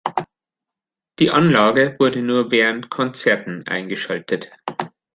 Die Anlage wurde nur während Konzerten eingeschaltet.